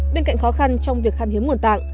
bên cạnh khó khăn trong việc khăn hiếm nguồn tạng